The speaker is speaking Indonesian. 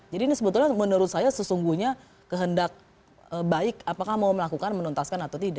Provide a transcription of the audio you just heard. jadi ini sebetulnya menurut saya sesungguhnya kehendak baik apakah mau melakukan menuntaskan atau tidak